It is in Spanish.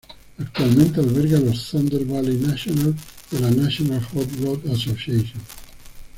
Actualmente alberga los Thunder Valley Nationals de la National Hot Rod Association.